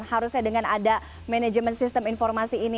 harusnya dengan ada manajemen sistem informasi ini